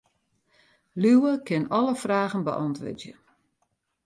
Liuwe kin alle fragen beäntwurdzje.